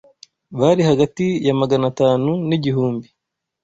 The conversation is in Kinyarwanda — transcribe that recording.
bari hagati ya Magana atanu n’igihumbi.